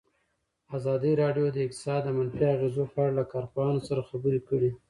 ازادي راډیو د اقتصاد د منفي اغېزو په اړه له کارپوهانو سره خبرې کړي.